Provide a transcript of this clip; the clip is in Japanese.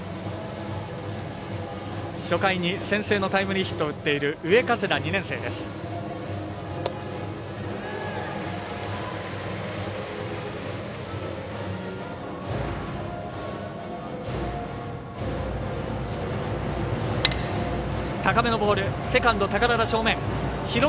初回に先制のタイムリーヒットを打っている上加世田、２年生です。